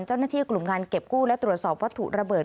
เจ้าหน้าที่กลุ่มงานเก็บกู้และตรวจสอบวัตถุระเบิด